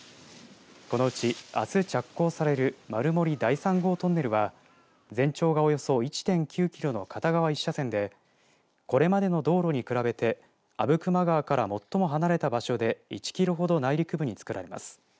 このうち、あす着工される丸森第３号トンネルは全長がおよそ１．９キロの片側１車線でこれまでの道路に比べて阿武隈川から最も離れた場所で１キロほど内陸部に造られます。